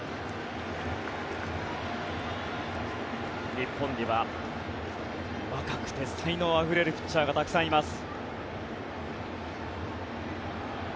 日本には若くて才能あふれるピッチャーがたくさんいます。